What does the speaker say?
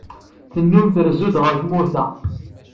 Tennum trezzu-d ɣef tmurt-a.